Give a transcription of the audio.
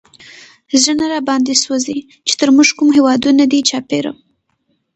زړه نه راباندې سوزي، چې تر مونږ کوم هېوادونه دي چاپېره